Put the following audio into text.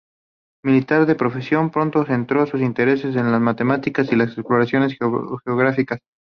Militar de profesión, pronto centró sus intereses en la Matemática y las exploraciones geográficas.